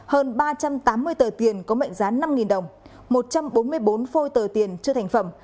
hơn ba trăm tám mươi tờ tiền có mệnh giá năm đồng một trăm bốn mươi bốn phôi tờ tiền chưa thành phẩm